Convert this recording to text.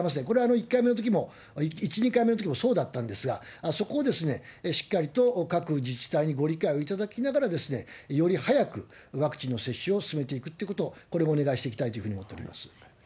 これは１回目のときも１、２回目のときもそうだったんですが、そこをしっかりと各自治体にご理解をいただきながら、より早くワクチンの接種を進めていくってことを、これをお願いしていきたいというふうに思っております。